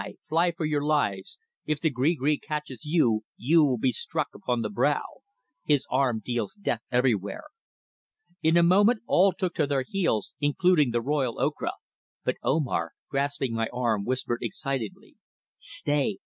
fly for your lives. If the gree gree catches you you will be struck upon the brow. His arm deals death everywhere." In a moment all took to their heels, including the royal Ocra, but Omar, grasping my arm, whispered excitedly: "Stay.